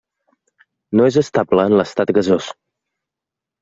No és estable en l'estat gasós.